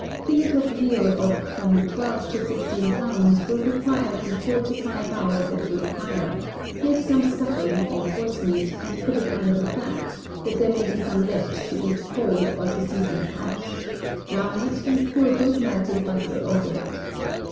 Fillet of veal of from twelve to sixteen pounds, will require from four to five hours at a good fire: make some stuffing or forcemeat, and put it under the flap, that there may be some left to eat cold, or to season a hash: brown it, and pour good melted butter over it.